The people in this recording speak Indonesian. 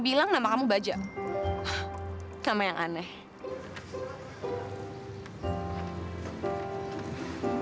paling nomernya juga gak aktif